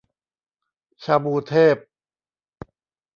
ชาบูเทพ